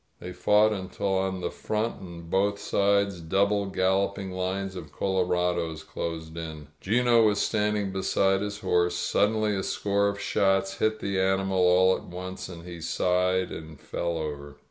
They fought until on the front and on both sides double galloping lines of colorados closed in. 'Gino was standing beside his horse — suddenly a score of shots hit the animal all at once, and he sighed and fell over.